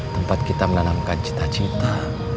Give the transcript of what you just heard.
tempat kita menanamkan cita cita